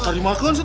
tak dimakan siapa